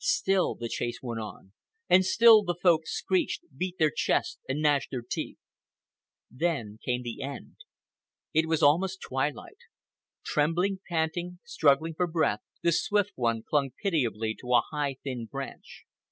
Still the chase went on, and still the Folk screeched, beat their chests, and gnashed their teeth. Then came the end. It was almost twilight. Trembling, panting, struggling for breath, the Swift One clung pitiably to a high thin branch.